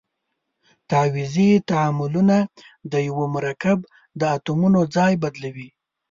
تعویضي تعاملونه د یوه مرکب د اتومونو ځای بدلوي.